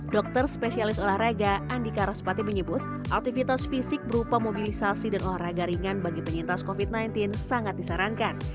dokter spesialis olahraga andika rasupati menyebut aktivitas fisik berupa mobilisasi dan olahraga ringan bagi penyintas covid sembilan belas sangat disarankan